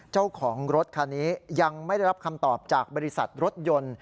เจ้าของรถคันนี้ยังไม่ได้รับคำตอบจากบริษัทรถยนต์